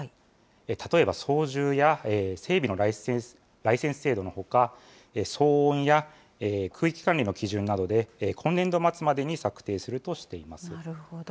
例えば操縦や整備のライセンス制度のほか、騒音や空域管理の基準などで、今年度末までに策定するとしていまなるほど。